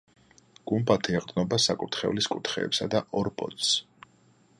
გუმბათი ეყრდნობა საკურთხევლის კუთხეებსა და ორ ბოძს.